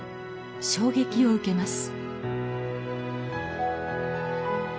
衝撃を受けます